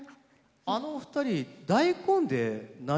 あのお二人